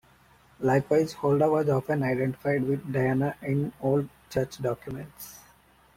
Likewise, Holda was often identified with Diana in old church documents.